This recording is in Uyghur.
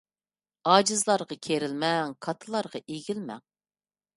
ئاجىزلارغا كېرىلمەڭ، كاتتىلارغا ئېگىلمەڭ.